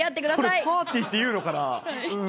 それ、パーティーって言うのかな？